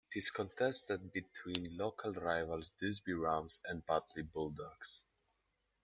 It is contested between local rivals Dewsbury Rams and Batley Bulldogs.